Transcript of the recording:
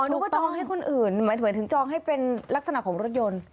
หนูก็จองให้คนอื่นหมายถึงจองให้เป็นลักษณะของรถยนต์